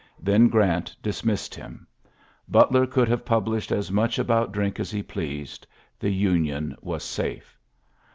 Then Grant dismissed him. Butler could have published as much about drink as he pleased. The Union mm safe.